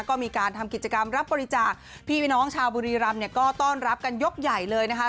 ก็มีการทำกิจกรรมรับบริจาคพี่น้องชาวบุรีรำเนี่ยก็ต้อนรับกันยกใหญ่เลยนะคะ